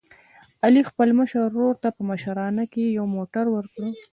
علي خپل مشر ورور ته په مشرانه کې یو موټر ور کړ.